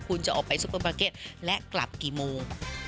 คุณจะออกไปซุปเปอร์ปาร์เก็ตและกลับกี่โมง